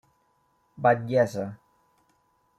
Batllessa.